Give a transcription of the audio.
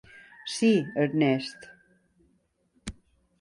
Sí, Ernest!